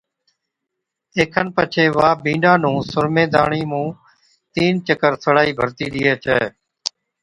اي کن پڇي وا بِينڏا نُون سرمي داڻي مُون تين چڪر سڙائي ڀرتِي ڏيئي ڇَي